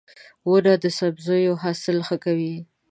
• ونه د سبزیو حاصل ښه کوي.